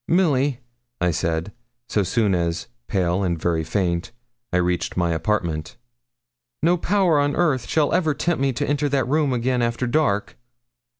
'Milly,' I said, so soon as, pale and very faint, I reached my apartment, 'no power on earth shall ever tempt me to enter that room again after dark.'